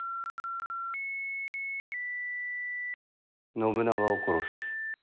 信長を殺す。